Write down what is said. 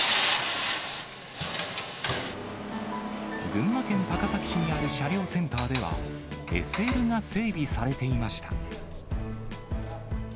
群馬県高崎市にある車両センターでは、ＳＬが整備されていました。